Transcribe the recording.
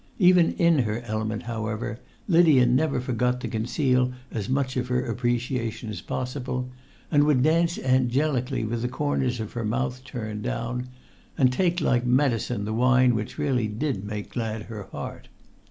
Even in her element, however, Lydia never forgot to conceal as much of her appreciation as possible, and would dance angelically with the corners of her mouth turned down, and take like medicine the wine which really did make glad her heart.